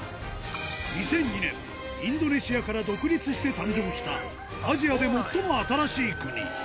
２００２年、インドネシアから独立して誕生した、アジアで最も新しい国。